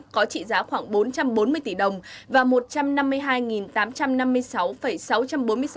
có trị giá khoảng bốn trăm bốn mươi tỷ đồng và một trăm năm mươi hai tám trăm năm mươi sáu sáu trăm bốn mươi sáu quạng đất hiếm